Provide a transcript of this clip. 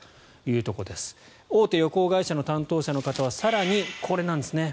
大手旅行会社の担当者の方は更に、これなんですね。